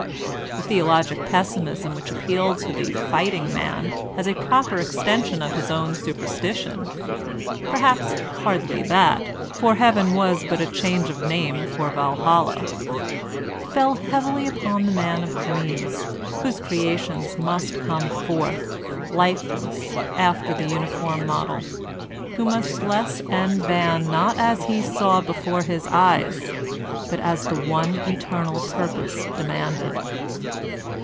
The theologic pessimism which appealed to the fighting man as a proper extension of his own superstition — perhaps hardly that, for Heaven was but a change of name for Valhalla, — fell heavily upon Anaxcrism in LiTEftATintE 137 die man of dreams, whose creations must come forth, lifeless, after the uniform model, who must bless and ban not as he saw before his eyes but as the one eternal purpose demanded.